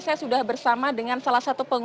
saya sudah bersama dengan salah satu pengusaha